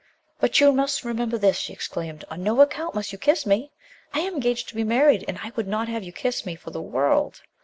"But you must remember this," she exclaimed, "on no account must you kiss me. I am engaged to be married and I would not have you kiss me, for the world."